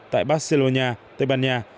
tại barcelona tây ban nha